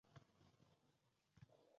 Ulug’bek qoniday sochilgan